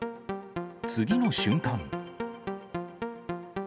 次の瞬間。